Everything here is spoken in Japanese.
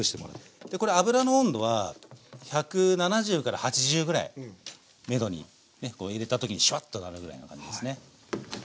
油の温度は１７０から８０ぐらいめどにねこう入れた時にシュワッとなるぐらいの感じですね。